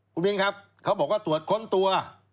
คุณมินครับเขาบอกว่าตรวจค้นตัว